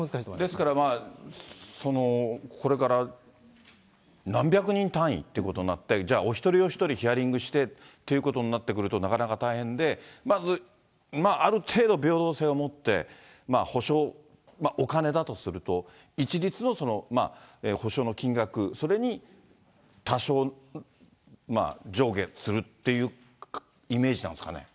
ですからまあ、これから何百人単位ということになって、じゃあ、お一人お一人、ヒアリングしてということになってくると、なかなか大変で、ある程度平等性を持って、補償、お金だとすると、一律の補償の金額、それに多少、まあ、上下するっていうイメージなんですかね。